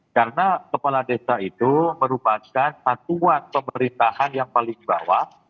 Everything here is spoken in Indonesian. karena kepala desa itu merupakan satuan pemerintahan yang paling bawah